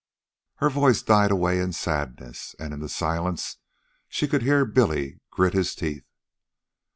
Her voice died away in sadness, and in the silence she could hear Billy grit his teeth.